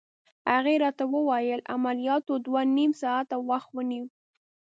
هغې راته وویل: عملياتو دوه نيم ساعته وخت ونیو.